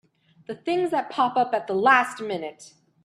The things that pop up at the last minute!